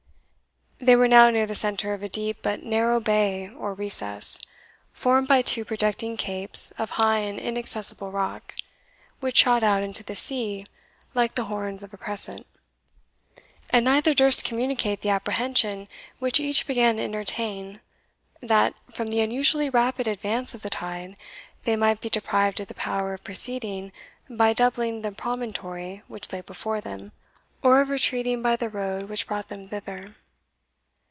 They were now near the centre of a deep but narrow bay or recess, formed by two projecting capes of high and inaccessible rock, which shot out into the sea like the horns of a crescent; and neither durst communicate the apprehension which each began to entertain, that, from the unusually rapid advance of the tide, they might be deprived of the power of proceeding by doubling the promontory which lay before them, or of retreating by the road which brought them thither.